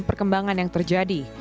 perkembangan yang terjadi